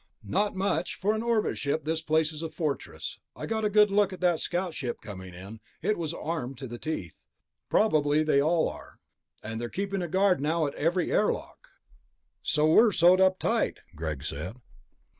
"Not much. For an orbit ship, this place is a fortress. I got a good look at that scout ship coming in ... it was armed to the teeth. Probably they all are. And they're keeping a guard now at every airlock." "So we're sewed up tight," Greg said.